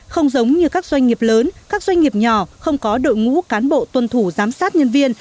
không giống như các doanh nghiệp lớn các doanh nghiệp nhỏ không có đội ngũ cán bộ tuân thủ giám sát nhân viên